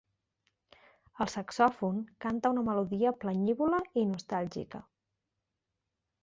El saxòfon canta una melodia planyívola i nostàlgica.